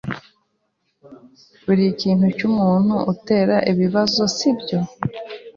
Urikintu cyumuntu utera ibibazo, sibyo?